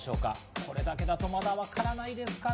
これだけだとまだ分からないですかね。